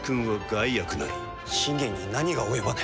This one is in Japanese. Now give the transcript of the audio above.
信玄に何が及ばぬ。